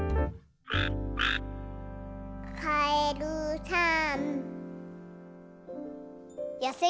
「かえるさん」